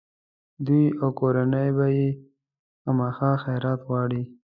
دوی او کورنۍ به یې خامخا خیرات غواړي.